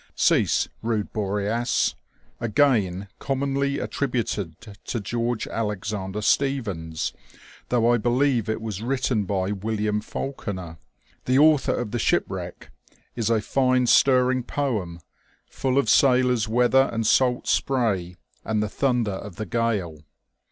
"Cease, rude Boreas," again, commonly attributed to George Alexander Stevens, though I believe it was written by William Falconer, the author of " The Shipwreck," is a fine stirring poem, full of sailors' weather and salt spray and the thunder of the gale.